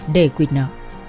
để quýt nợ